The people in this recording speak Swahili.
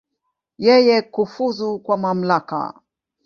Yeye kufuzu kwa mamlaka.